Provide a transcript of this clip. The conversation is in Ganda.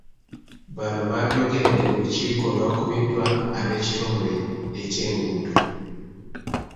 Bano baabyogeredde mu lukiiko olwakubiddwa ab'ekitongole ekye'nguudo.